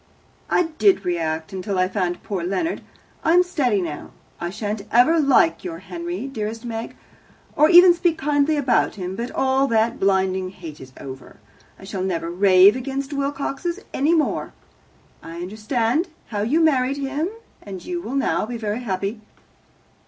"I did react until I found poor Leonard. I am steady now. I shan't ever like your Henry, dearest Meg, or even speak kindly about him, but all that blinding hate is over. I shall never rave against Wilcoxes any more. I understand how you married him, and you will now be very happy."